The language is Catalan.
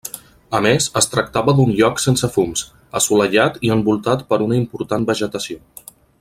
A més es tractava d'un lloc sense fums, assolellat i envoltat per una important vegetació.